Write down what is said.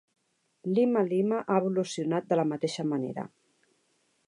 Lima Lima ha evolucionat de la mateixa manera.